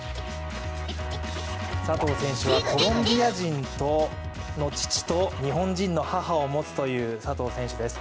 コロンビア人の父と日本人の母を持つという佐藤選手です。